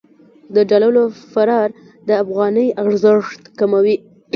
د ډالر فرار د افغانۍ ارزښت کموي.